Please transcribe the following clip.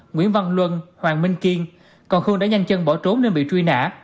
nguyễn văn luân hoàng minh kiên còn khương đã nhanh chân bỏ trốn nên bị truy nã